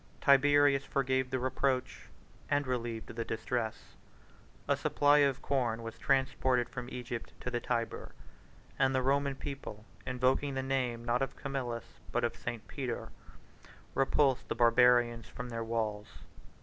Tiberius forgave the reproach, and relieved the distress: a supply of corn was transported from Egypt to the Tyber; and the Roman people, invoking the name, not of Camillus, but of St. Peter repulsed the Barbarians from their walls.